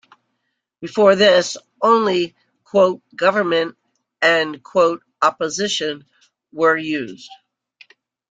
Before this, only "Government" and "Opposition" were used.